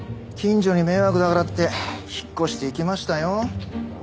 近所に迷惑だからって引っ越していきましたよ。